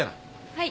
はい。